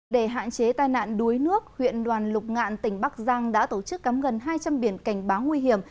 để hạn chế tai nạn đuối nước huyện đoàn lục ngạn tỉnh bắc giang đã tổ chức cắm gần hai trăm linh biển cảnh báo nguy hiểm